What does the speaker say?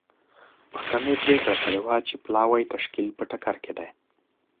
محکمې پرېکړه کړې وه چې پلاوي تشکیل په ټکر کې دی.